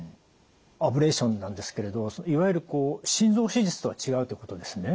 アブレーションなんですけれどいわゆる心臓手術とは違うということですね？